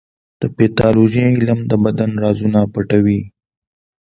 د پیتالوژي علم د بدن رازونه پټوي.